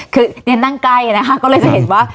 คือเรียนนั่งใกล้นะคะก็เลยจะเห็นว่า